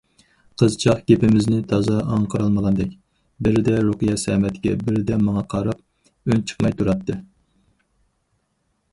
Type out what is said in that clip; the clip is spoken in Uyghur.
قىزچاق گېپىمىزنى تازا ئاڭقىرالمىغاندەك، بىردە رۇقىيە سەمەتكە، بىردە ماڭا قاراپ ئۈنچىقماي تۇراتتى.